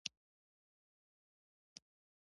د هډسن خلیج شرکت ډیر پخوانی دی.